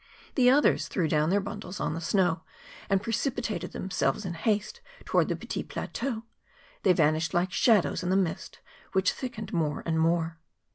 The others threw down their bundles on the snow and precipitated them¬ selves in haste towards the Petit Plateau; they vanished like shadows in the mist which thick¬ ened more and more.